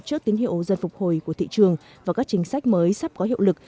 trước tín hiệu dân phục hồi của thị trường và các chính sách mới sắp có hiệu lực